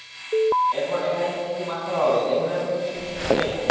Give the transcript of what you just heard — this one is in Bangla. এরপর এখানে একটি মাঠ করা হবে—এ ধরনের প্রতিশ্রুতি শুনতে চাই না।